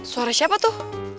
suara siapa tuh